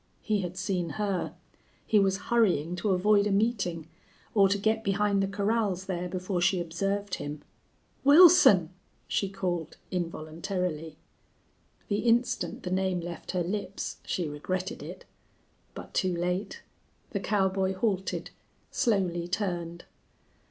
He had seen her; he was hurrying to avoid a meeting, or to get behind the corrals there before she observed him. "Wilson!" she called, involuntarily. The instant the name left her lips she regretted it. But too late! The cowboy halted, slowly turned.